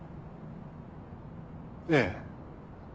ええ。